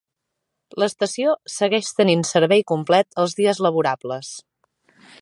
L'estació segueix tenint servei complet els dies laborables.